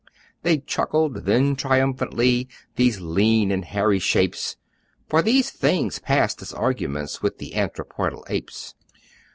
They chuckled then triumphantly, These lean and hairy shapes, For these things passed as arguments With the Anthropoidal Apes.